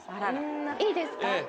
いいですか？